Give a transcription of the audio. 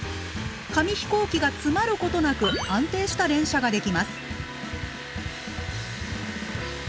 紙飛行機が詰まることなく安定した連射ができます。